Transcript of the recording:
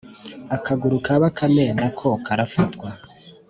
akaguru ka bakame na ko karafatwa.